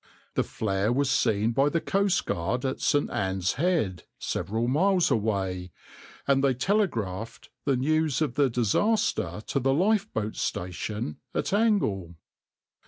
The flare was seen by the coastguard at St. Anne's Head, several miles away, and they telegraphed the news of the disaster to the lifeboat station at Angle.